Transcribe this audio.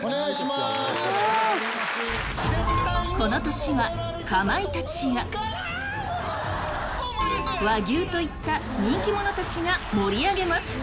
この年は、かまいたちや和牛といった人気者たちが盛り上げます。